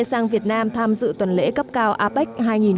sang việt nam tham dự tuần lễ cấp cao apec hai nghìn một mươi bảy